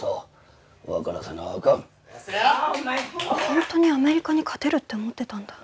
ほんとにアメリカに勝てるって思ってたんだ。